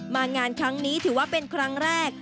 งานครั้งนี้ถือว่าเป็นครั้งแรก